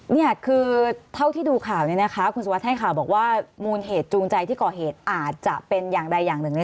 นี่คือเท่าที่ดูข่าวนี้นะคะคุณสุวัสดิ์ให้ข่าวบอกว่ามูลเหตุจูงใจที่ก่อเหตุอาจจะเป็นอย่างใดอย่างหนึ่ง